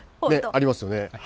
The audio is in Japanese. ありますよね。